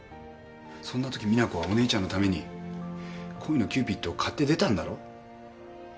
そんなとき実那子はお姉ちゃんのために恋のキューピッドを買って出たんだろ？